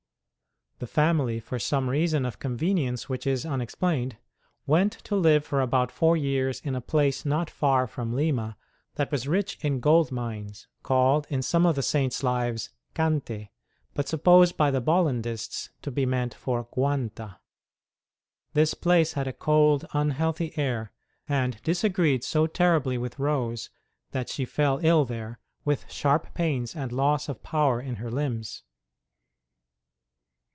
The family, for some reason of con venience which is unexplained, went to live for about four years in a place not far from Lima that was rich in gold mines, called in some of the Saint s lives Cante, but supposed by the Bol landists to be meant for Quanta. This place had a cold, unhealthy air, and disagreed so terribly with Rose that she fell ill there, with sharp pains and loss of power in her limbs.